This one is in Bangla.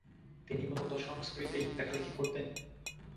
তিনি মূলত সংস্কৃতেই লেখালেখি করতেন।